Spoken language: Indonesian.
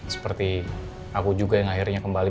seperti aku juga yang akhirnya kembali